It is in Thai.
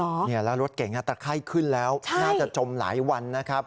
แล้วรถเก่งตะไข้ขึ้นแล้วน่าจะจมหลายวันนะครับ